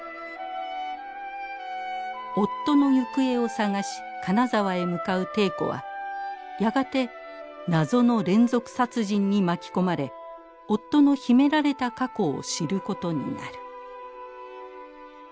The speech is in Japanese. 夫の行方を捜し金沢へ向かう禎子はやがて謎の連続殺人に巻き込まれ夫の秘められた過去を知ることになる。